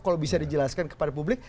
kalau bisa dijelaskan kepada publik